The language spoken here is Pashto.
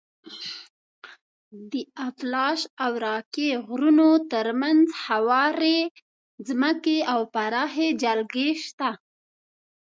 د اپالاش او راکي غرونو تر منځ هوارې ځمکې او پراخې جلګې شته.